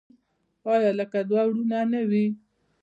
آیا لکه دوه ورونه نه وي؟